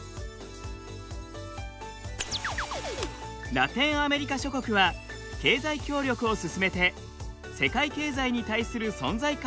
ラテンアメリカ諸国は経済協力を進めて世界経済に対する存在感を増しています。